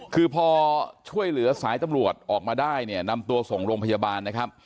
คือพอช่วยเหลือสายตำรวจออกมาได้เนี่ยนำตัวส่งโรงพยาบาลนะครับ